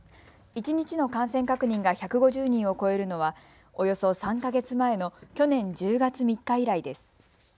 一日の感染確認が１５０人を超えるのはおよそ３か月前の去年１０月３日以来です。